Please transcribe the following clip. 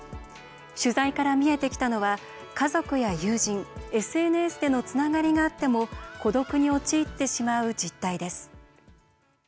取材から見えてきたのは家族や友人、ＳＮＳでのつながりがあっても孤独に陥ってしまう実態です。